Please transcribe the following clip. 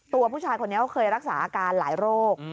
ตัวผู้ชายคนนี้เขาเคยรักษาอาการหลายโรค